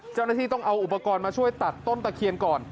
เจ้าหน้าที่ต้องเอาอุปกรณ์มาช่วยตัดต้นตะเคียนก่อน